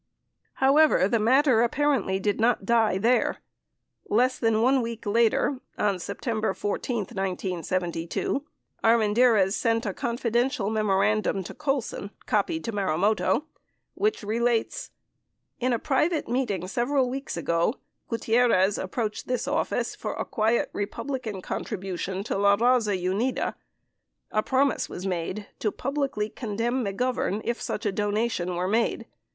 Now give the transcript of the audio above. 37 However, the matter apparently did not die there. Less than 1 week later, on September 14, 1972, Armendariz sent a "Confidential" memorandum to Colson (copy to Marumoto) which relates: In a private meeting several weeks ago, Gutierrez ap proached this office for a quiet Bepublican contribution to La Baza Unida. A promise was made to publicly condemn Mc Govern if such a donation were made.